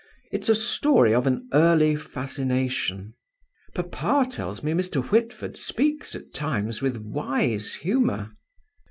It's a story of an early fascination." "Papa tells me Mr. Whitford speaks at times with wise humour."